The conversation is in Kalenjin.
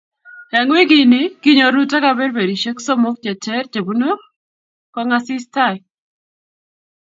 Eng wikini, kinyor Ruto kaberberishek somok che ter che kibunu kongasis tai